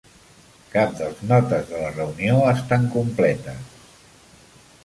Cap dels notes de la reunió estan completes.